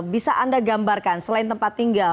bisa anda gambarkan selain tempat tinggal